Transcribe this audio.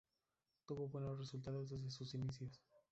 Tuvo buenos resultados desde sus inicios.